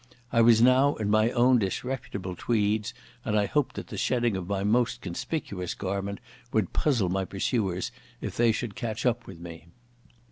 I was now in my own disreputable tweeds and I hoped that the shedding of my most conspicuous garment would puzzle my pursuers if they should catch up with me.